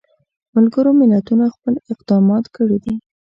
ملګرو ملتونو خپل اقدامات کړي دي.